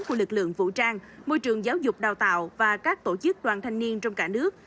của lực lượng vũ trang môi trường giáo dục đào tạo và các tổ chức đoàn thanh niên trong cả nước